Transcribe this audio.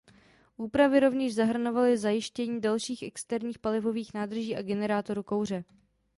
Úpravy rovněž zahrnovaly zajištění dalších externích palivových nádrží a generátoru kouře.